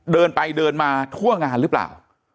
เดินไปเดินมาทั่วงานหรือเปล่า